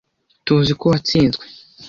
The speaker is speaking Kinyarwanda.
Tuziko watsinzwe.